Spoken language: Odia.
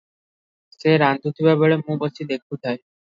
ସେ ରାନ୍ଧୁଥିବା ବେଳେ ମୁଁ ବସି ଦେଖୁଥାଏ |"